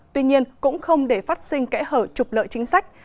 tuy nhiên cũng không để phát sinh kẽ hở trục lợi chính sách